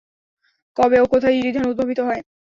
কবে ও কোথায় ইরি ধান উদ্ভাবিত হয়?